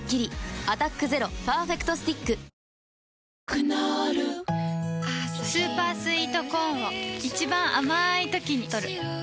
クノールスーパースイートコーンを一番あまいときにとる